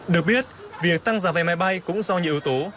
được biết việc tăng giá vé máy bay cũng do nhiều yếu tố